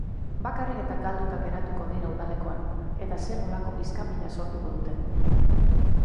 Bakarrik eta galduta geratuko dira udalekuan, eta zer-nolako iskanbila sortuko duten!